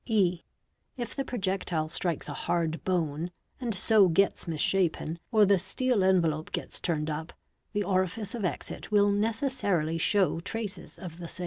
. (e) If the projectile strikes a hard bone, and so gets misshapen, ar the steel envelope gets turned up, the orifice of exit will necessarily how traces of the same.